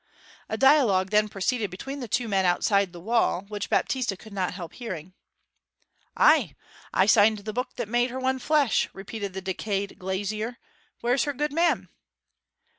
A dialogue then proceeded between the two men outside the wall, which Baptista could not help hearing. 'Ay, I signed the book that made her one flesh,' repeated the decayed glazier. 'Where's her good man?'